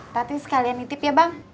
tapi sekalian nitip ya bang